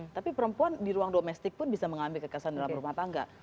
tapi perempuan di ruang domestik pun bisa mengalami kekerasan di rumah tangga